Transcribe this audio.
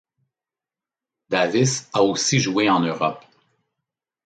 Davis a aussi joué en Europe.